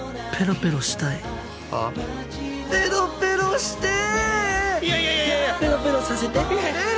ペロペロさせて！